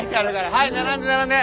はい並んで並んで！